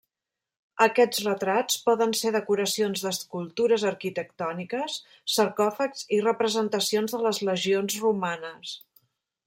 Aquests retrats poden ser decoracions d'escultures arquitectòniques, sarcòfags i representacions de les legions romanes.